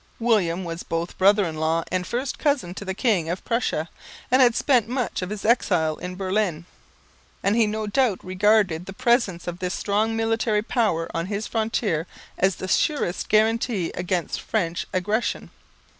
William was both brother in law and first cousin of the King of Prussia, and had spent much of his exile at Berlin; and he no doubt regarded the presence of this strong military power on his frontier as the surest guarantee against French aggression.